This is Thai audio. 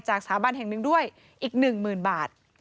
สถาบันแห่งหนึ่งด้วยอีก๑๐๐๐บาท